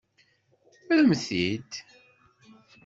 Rremt-t-id!